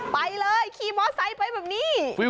ไปเลยขี่มอไซค์ไปแบบนี้